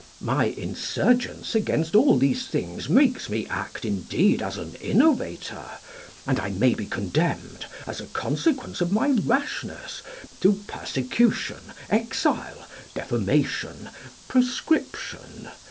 My insurgence against all these things makes me act indeed as an innovator; and I may be condemned, as a consequence of my rashness, to persecution, exile, defamation, proscription.